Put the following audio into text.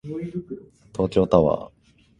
東京タワー